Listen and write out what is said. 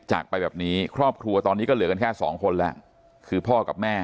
จากไปแบบนี้ครอบครัวตอนนี้ก็เหลือกันแค่สองคนแล้วคือพ่อกับแม่